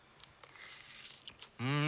うん！